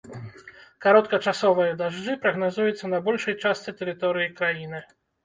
Кароткачасовыя дажджы прагназуюцца на большай частцы тэрыторыі краіны.